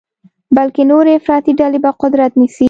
بلکې نورې افراطي ډلې به قدرت نیسي.